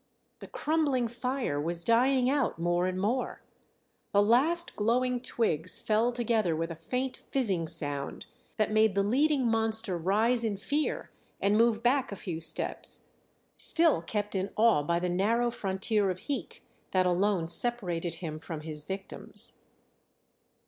The crumbling fire was dying out more and more; the last glowing twigs fell together with a faint fizzing sound, that made the leading monster rise in fear and move back a few steps, still kept in awe by the narrow frontier of heat that alone separated him from his victims.